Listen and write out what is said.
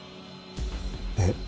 えっ？